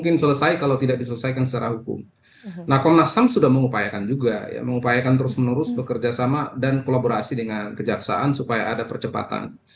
nah komnas ham sudah mengupayakan juga ya mengupayakan terus menerus bekerja sama dan kolaborasi dengan kejaksaan supaya ada percepatan